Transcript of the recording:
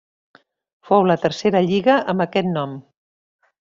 Fou la tercera lliga amb aquest nom.